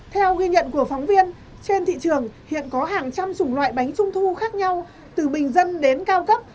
theo ghi nhận của phóng viên trên thị trường hiện có hàng trăm chủng loại bánh trung thu khác nhau từ bình dân đến cao cấp